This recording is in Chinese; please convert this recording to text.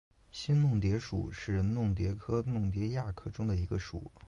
新弄蝶属是弄蝶科弄蝶亚科中的一个属。